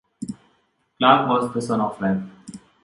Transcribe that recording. Clark was the son of Rev.